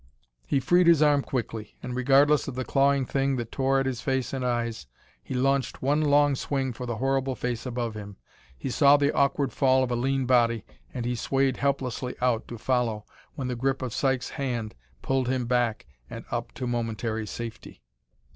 He freed his arm quickly, and, regardless of the clawing thing that tore at his face and eyes, he launched one long swing for the horrible face above him. He saw the awkward fall of a lean body, and he swayed helplessly out to follow when the grip of Sykes' hand pulled him back and up to momentary safety.